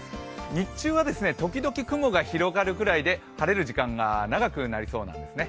日中は時々雲が広がるくらいで晴れる時間が長くなりそうなんですね。